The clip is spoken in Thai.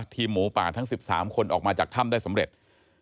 หมูป่าทั้ง๑๓คนออกมาจากถ้ำได้สำเร็จ